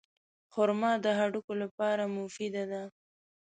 خرما د هډوکو لپاره مفیده ده.